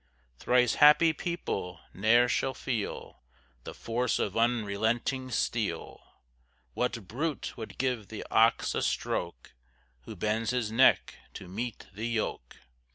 Thrice happy people, ne'er shall feel The force of unrelenting steel; What brute would give the ox a stroke Who bends his neck to meet the yoke?